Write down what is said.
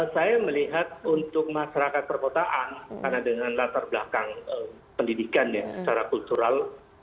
saya melihat untuk masyarakat perkotaan karena dengan latar belakang pendidikan ya secara kultural